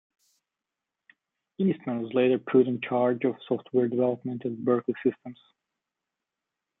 Eastman was later put in charge of software development at Berkeley Systems.